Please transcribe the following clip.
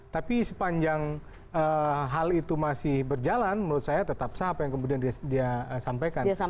tapi sepanjang hal itu masih berjalan menurut saya tetap sah apa yang kemudian dia sampaikan